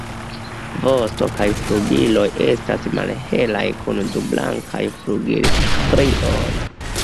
Vosto kaj flugiloj estas malhelaj kun du blankaj flugilstrioj.